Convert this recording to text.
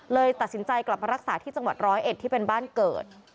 เลยตัดสินใจกลับมารักษาที่จังหวัดร้อยเอ็ดที่เป็นบ้านเกิด